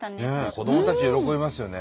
子どもたち喜びますよね。